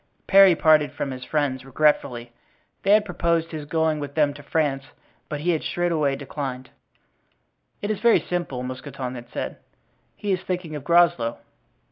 Parry parted from his friends regretfully; they had proposed his going with them to France, but he had straightway declined. "It is very simple," Mousqueton had said; "he is thinking of Groslow."